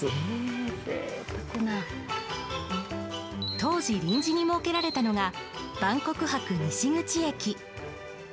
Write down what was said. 当時、臨時に設けられたのが万国博西口駅。